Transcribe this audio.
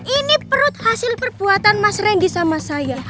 ini perut hasil perbuatan mas randy sama saya